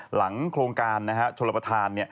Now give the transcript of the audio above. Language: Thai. หลังโครงการชนประธาน